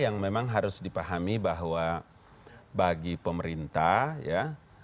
yang memang harus dipahami bahwa bagi pemerintah ya